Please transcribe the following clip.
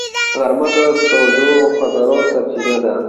غرمه د تودو خاطرو سرچینه ده